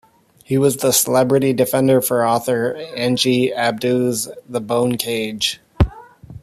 He was the celebrity defender for author Angie Abdou's "The Bone Cage".